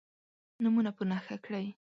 نومونه په نښه کړئ.